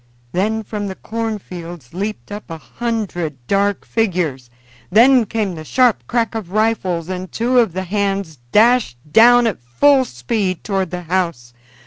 Then from the cornfields leaped up a hundred dark figures; then came the sharp crack of rifles, and two of the hands dashed down at full speed toward the house.